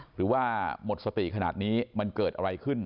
หรือว่าหมดสติขนาดนี้มันเกิดอะไรขึ้น